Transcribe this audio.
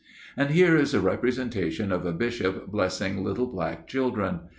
And here is a representation of a Bishop blessing little black children.